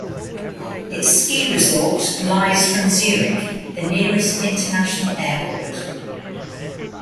Its ski resort lies from Zurich, the nearest international airport.